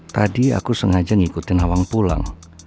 tadi aku sengaja ngikutin hawang pulang